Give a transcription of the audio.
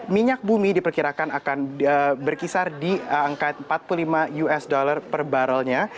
minyak bumi diperkirakan akan berkisar di angka empat puluh lima usd per barrelnya